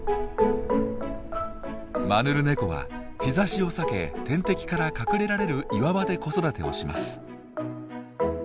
マヌルネコは日ざしを避け天敵から隠れられる岩場で子育てをします。